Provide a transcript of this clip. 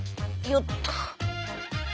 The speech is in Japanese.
よっと！